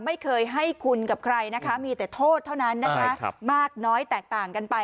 ไม่เคยให้คุณกับใครนะคะมีแต่โทษเท่านั้นนะคะมากน้อยแตกต่างกันไป